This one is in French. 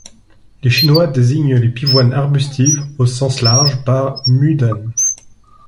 Les Chinois désignent les pivoines arbustives au sens large par 牡丹 mǔdān.